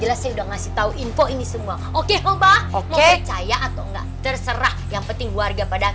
jelasnya udah ngasih tahu info ini semua oke oba oke caya atau enggak terserah yang penting warga pada